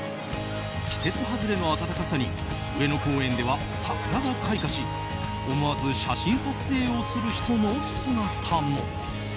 季節外れの暖かさに上野公園では桜が開花し思わず写真撮影をする人の姿も。